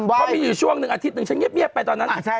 พอมีช่วง๑อาทิตย์ฉันเงี๊ยบไปตอนนั้น